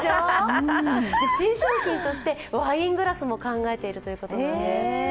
新商品としてワイングラスも考えているということなんです。